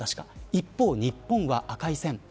一方、日本は赤い線。